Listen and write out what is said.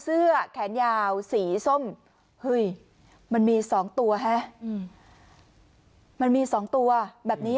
เสื้อแขนยาวสีส้มเฮ้ยมันมีสองตัวฮะอืมมันมีสองตัวแบบนี้